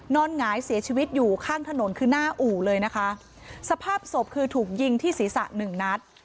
หงายเสียชีวิตอยู่ข้างถนนคือหน้าอู่เลยนะคะสภาพศพคือถูกยิงที่ศีรษะหนึ่งนัด